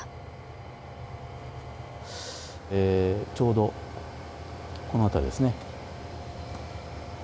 ちょうどこの辺りですね。